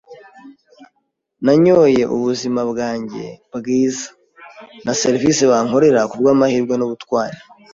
nanyoye ubuzima bwanjye bwiza, na serivisi bankorera, kubwamahirwe n'ubutwari.